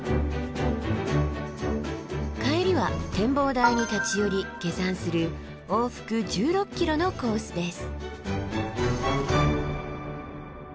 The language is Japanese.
帰りは展望台に立ち寄り下山する往復１６ｋｍのコースです。